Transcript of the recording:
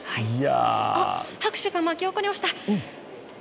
拍手が巻き起こりました。